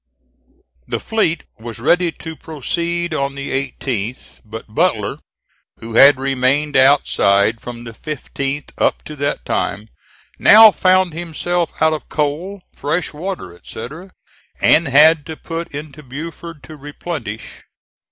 The fleet was ready to proceed on the 18th; but Butler, who had remained outside from the 15th up to that time, now found himself out of coal, fresh water, etc., and had to put into Beaufort to replenish.